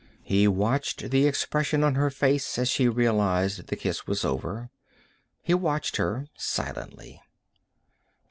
He watched the expression on her face as she realized the kiss was over. He watched her silently.